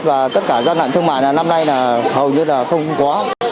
và tất cả giai đoạn thương mại năm nay hầu như là không có